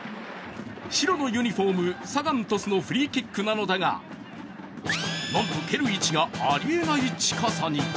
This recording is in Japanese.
白のユニフォーム、サガン鳥栖のフリーキックなのだが、なんと、蹴る位置がありえない近さに。